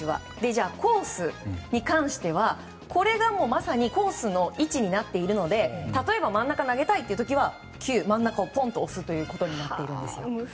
コースに関してはこれが、まさにコースの位置になっているので例えば真ん中投げたいという時は９の真ん中をポンと押すことになっています。